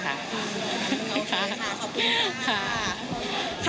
โอเคค่ะขอบคุณค่ะ